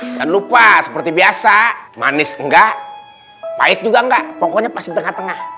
enggak lupa seperti biasa manis enggak baik juga enggak pokoknya pasti tengah tengah